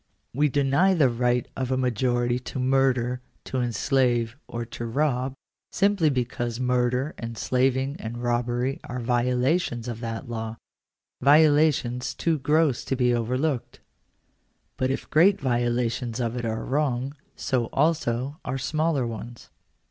We deny the right of a majority to murder, to enslave, or to rob, simply because murder, en slaving, and robbery are violations of that law — violations too gross to be overlooked. Sut if great violations of it are wrong, so also are smaller ones.